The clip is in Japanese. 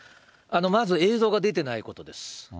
まず映像が出てないことです。